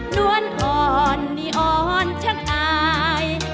นวลอ่อนนี่อ่อนชักอาย